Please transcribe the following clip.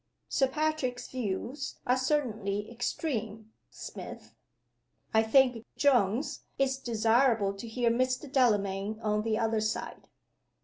"Sir Patrick's views are certainly extreme, Smith?" "I think, Jones, it's desirable to hear Mr. Delamayn on the other side."